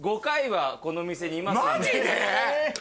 マジで⁉